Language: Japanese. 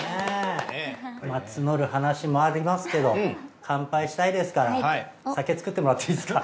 募る話もありますけど乾杯したいですから酒作ってもらっていいですか？